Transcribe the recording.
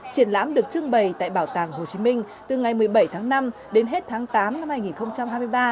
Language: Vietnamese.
triển lãm được trưng bày tại bảo tàng hồ chí minh từ ngày một mươi bảy tháng năm đến hết tháng tám năm hai nghìn hai mươi ba